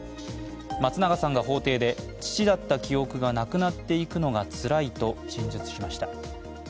松永さんが法廷で父だった記憶がなくなっていくのがつらいと陳述しました。